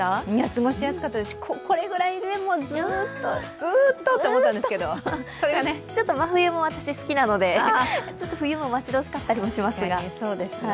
過ごしやすかったですし、これぐらいでずっとちょっと真冬も私、好きなので、ちょっと冬も待ち遠しかったりしますが。